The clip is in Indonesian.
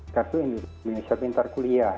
kartu indonesia pintar kuliah